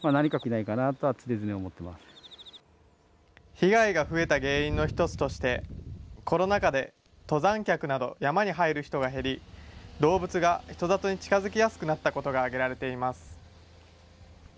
被害が増えた原因の一つとして、コロナ禍で、登山客など山に入る人が減り、動物が人里に近づきやすくなったことが挙げられています。